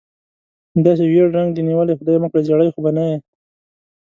داسې ژېړ رنګ دې نیولی، خدای مکړه زېړی خو به نه یې؟